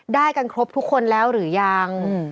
ได้กันครบทุกคนแล้วหรือยัง